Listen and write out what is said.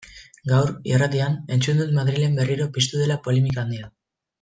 Gaur, irratian, entzun dut Madrilen berriro piztu dela polemika handia.